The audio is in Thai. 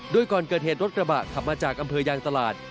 โดยก่อนเกิดเหตุรถกระบะขับมาจากอำเภอยางตลาด